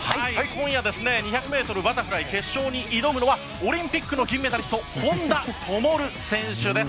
今夜２００ｍバタフライ決勝に挑むのはオリンピックの銀メダリスト本多灯選手です。